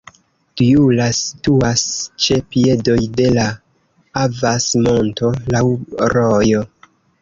Djula situas ĉe piedoj de la Avas-monto, laŭ rojo.